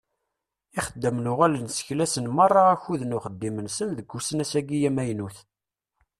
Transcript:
Ixeddamen uɣalen seklasen meṛṛa akud n uxeddim-nsen deg usnas-agi amaynut.